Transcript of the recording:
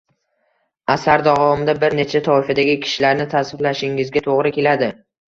Asar davomida bir necha toifadagi kishilarni tasvirlashingizga to’g’ri keladi